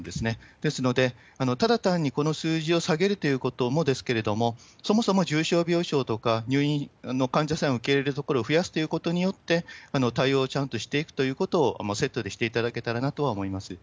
ですので、ただ単にこの数字を下げるということもですけれども、そもそも重症病床とか入院の患者さんを受け入れるところを増やすというところによって、対応をちゃんとしていくということをセットでしていただけたらなと思います。